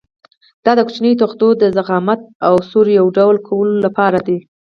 دا د کوچنیو تختو د ضخامت او سور یو ډول کولو لپاره ده.